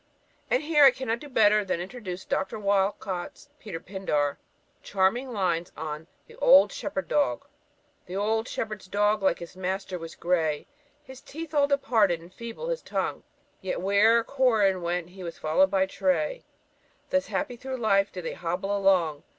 And here I cannot do better than introduce Dr. Walcot's (Peter Pindar) charming lines on "The Old Shepherd's Dog:" "The old shepherd's dog, like his master, was grey, His teeth all departed, and feeble his tongue; Yet where'er Corin went he was follow'd by Tray: Thus happy through life did they hobble along.